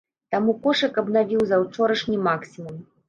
Таму кошык абнавіў заўчорашні максімум.